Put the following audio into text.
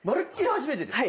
初めてですか？